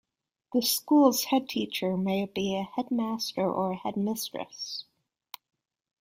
The school's headteacher may be a headmaster or a headmistress